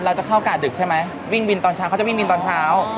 เราจะเข้ากาดดึกใช่ไหมวิ่งบินตอนเช้าเขาจะวิ่งบินตอนเช้า